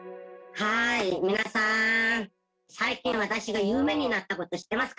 はーい、皆さん、最近、私が有名になったこと知ってますか？